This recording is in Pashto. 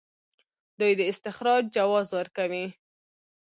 دوی د استخراج جواز ورکوي.